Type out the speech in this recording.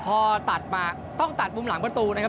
พอตัดมาต้องตัดมุมหลังประตูนะครับ